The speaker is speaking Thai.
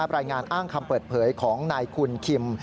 รายงานอ้างคำเปิดเผยของนายคุณคิม